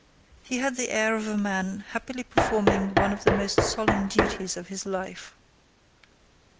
He had the air of a man happily performing one of the most solemn duties of his life.